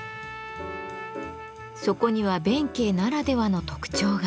そこには弁慶ならではの特徴が。